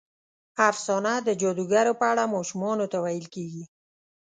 افسانه د جادوګرو په اړه ماشومانو ته ویل کېږي.